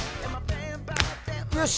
よし！